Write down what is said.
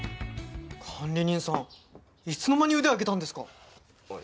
管理人さんいつの間に腕上げたんですか？